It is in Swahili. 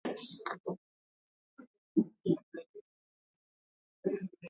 Tumia Kitunguu chenye Ukubwa wa kati